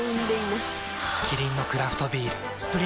キリンのクラフトビール「スプリングバレー」